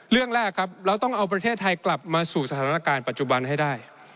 เรื่องแรกครับเราต้องเอาประเทศไทยกลับมาสู่สถานการณ์ปัจจุบันให้ได้